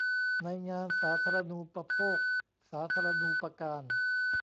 ในงานสาธารณูปโภคสาธารณูปการ